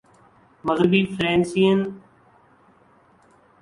مغربی فریسیئن